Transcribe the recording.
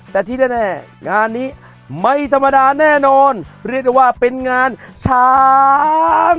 แต่ที่แน่งานนี้ไม่ธรรมดาแน่นอนเรียกได้ว่าเป็นงานช้าง